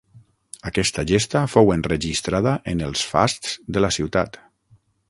Aquesta gesta fou enregistrada en els fasts de la ciutat.